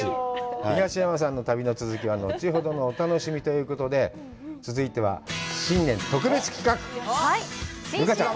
東山さんの旅の続きは後ほどのお楽しみということで、続いては、新年特別企画、留伽ちゃん。